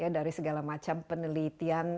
dari segala macam penelitian